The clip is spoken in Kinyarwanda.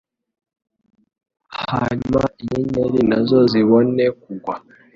Hanyuma inyenyeri na zo zibone kugwa.